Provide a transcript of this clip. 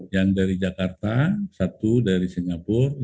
yang dari jakarta satu dari singapura